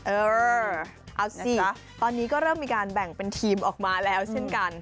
เออเอาสิตอนนี้ก็เริ่มมีการแบ่งเป็นทีมออกมาแล้วเช่นกัน